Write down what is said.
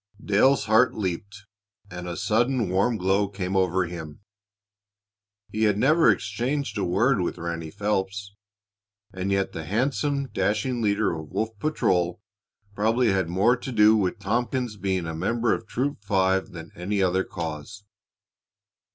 Dale's heart leaped, and a sudden warm glow came over him. He had never exchanged a word with Ranny Phelps, and yet the handsome, dashing leader of Wolf patrol probably had more to do with Tompkins' becoming a member of Troop Five than any other cause.